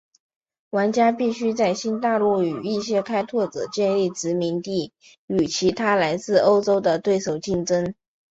玩家必须在新大陆与一些开拓者建立殖民地与其他来自欧洲的对手竞争。